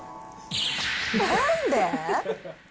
なんで？